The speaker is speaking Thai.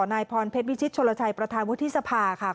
นายพรเพชรวิชิตชนลชัยประธานวุฒิสภาค่ะ